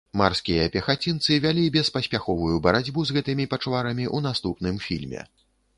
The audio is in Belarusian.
Марскія пехацінцы вялі беспаспяховую барацьбу з гэтымі пачварамі ў наступным фільме.